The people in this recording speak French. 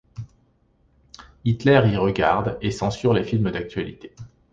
Hitler y regarde et censure les films d'actualité.